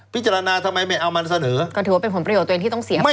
ทำไมไม่เอามันเสนอก็ถือว่าเป็นผลประโยชนตัวเองที่ต้องเสีย